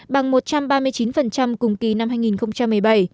bằng một trăm ba mươi chín cùng kỳ năm hai nghìn một mươi bảy